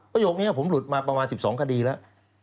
ประโยคนี้ผมหลุดมาประมาณ๑๒คดีแล้ว